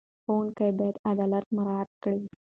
ښوونکي باید عدالت مراعت کړي.